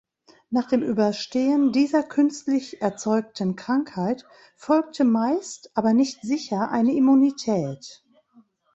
Nach dem Überstehen dieser künstlich erzeugten Krankheit folgte meist, aber nicht sicher, eine Immunität.